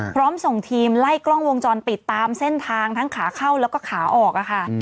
พร้อมส่งทีมไล่กล้องวงจรปิดตามเส้นทางทั้งขาเข้าแล้วก็ขาออกค่ะ